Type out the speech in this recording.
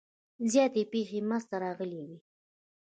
زیاتې پیښې منځته راغلي وي.